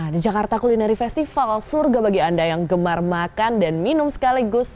di jakarta culinary festival surga bagi anda yang gemar makan dan minum sekaligus